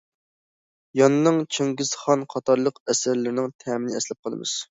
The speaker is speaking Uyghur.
ياننىڭ« چىڭگىزخان» قاتارلىق ئەسەرلىرىنىڭ تەمىنى ئەسلەپ قالىمىز.